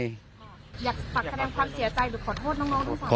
อยากฝากแปลงความเสียใจหรือขอโทษน้องด้วยค่ะ